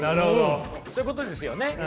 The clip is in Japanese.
そういうことですよね。